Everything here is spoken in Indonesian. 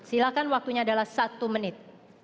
silakan waktunya adalah satu menit